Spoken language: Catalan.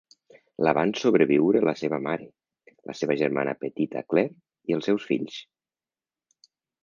La van sobreviure la seva mare, la seva germana petita Claire i els seus fills.